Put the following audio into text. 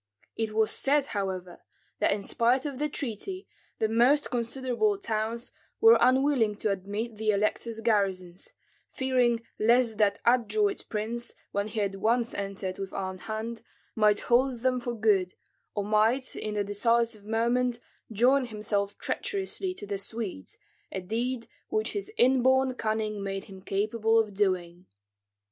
It was said, however, that in spite of the treaty the most considerable towns were unwilling to admit the elector's garrisons, fearing lest that adroit prince, when he had once entered with armed hand, might hold them for good, or might in the decisive moment join himself treacherously to the Swedes, a deed which his inborn cunning made him capable of doing.